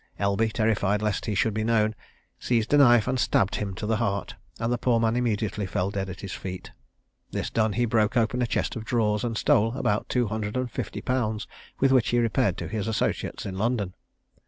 Elby, terrified lest he should be known, seized a knife and stabbed him to the heart, and the poor man immediately fell dead at his feet. This done, he broke open a chest of drawers, and stole about two hundred and fifty pounds, with which he repaired to his associates in London.